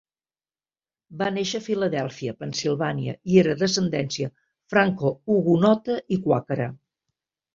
Va néixer a Filadèlfia (Pennsilvània) i era d'ascendència francohugonota i quàquera.